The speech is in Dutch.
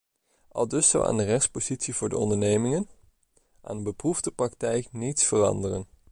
Aldus zou aan de rechtspositie voor de ondernemingen, aan de beproefde praktijk niets veranderen.